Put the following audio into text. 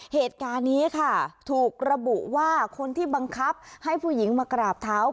เหตุการณ์นี้ค่ะถูกระบุว่าคนที่บังคับให้ผู้หญิงมากราบเท้า